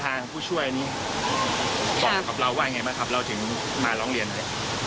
ผู้ช่วยนี้บอกกับเราว่าไงบ้างครับเราถึงมาร้องเรียนไหม